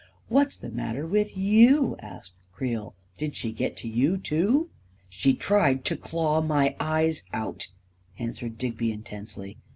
"What's the matter with you?" asked Creel. 41 Did she get you, too ?"" She tried to claw my eyes out," answered Digby, intensely.